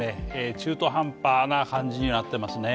中途半端な感じになってますね。